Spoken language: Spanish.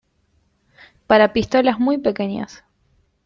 Para pistolas muy pequeñas.